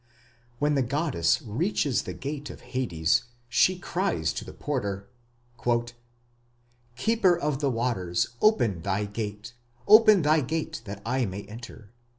When the goddess reaches the gate of Hades she cries to the porter: Keeper of the waters, open thy gate, Open thy gate that I may enter.